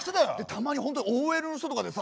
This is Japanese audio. たまにほんとＯＬの人とかでさ